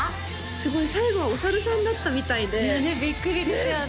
すごい最後はお猿さんだったみたいでねえビックリですよね